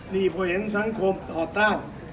นี่พอเห็นสังคมต่อต้าน